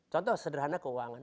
contoh sederhana keuangan